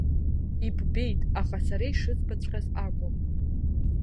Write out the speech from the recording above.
Иббеит, аха сара ишызбаҵәҟьаз акәым.